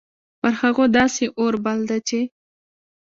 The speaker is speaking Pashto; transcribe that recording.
پر هغو داسي اور بل ده چې